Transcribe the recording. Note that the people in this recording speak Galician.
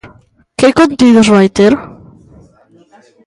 Que contidos vai ter?